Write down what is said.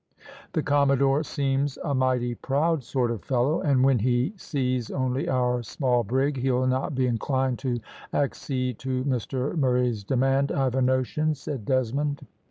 "The commodore seems a mighty proud sort of fellow, and when he sees only our small brig he'll not be inclined to accede to Mr Murray's demand, I've a notion," said Desmond.